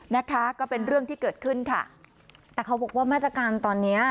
นะคะก็เป็นเรื่องที่เกิดขึ้นค่ะแต่เขาบอกว่ามาตรการตอนเนี้ย